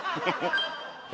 え？